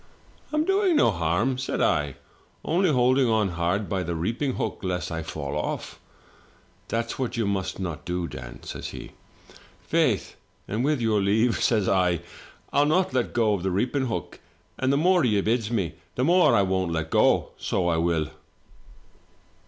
" 'I'm doing no harm,' said I, 'only holding on hard by the reaping hook lest I fall off.' " 'That's what you must not do, Dan,' says he. "'Faith, and with your leave,' says I, 'I'll not let go the reaping hook, and the more you bids me, the more I won't let go — so I will.'